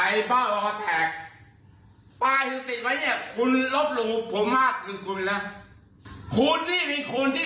อย่าเอาไม้มาฉีเขาอย่างนั้นสิ